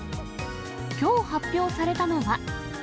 きょう発表されたのは。